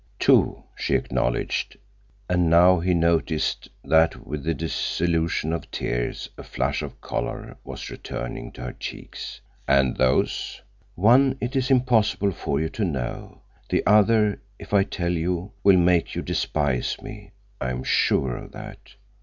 "Two," she acknowledged, and now he noticed that with the dissolution of tears a flush of color was returning into her cheeks. "And those—" "One it is impossible for you to know; the other, if I tell you, will make you despise me. I am sure of that."